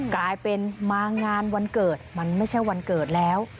กลายเป็นมางานวันเกิดมันไม่ใช่วันเกิดแล้ว